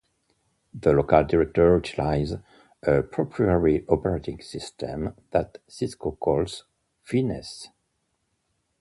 The LocalDirector utilizes a proprietary operating system that Cisco calls Finesse.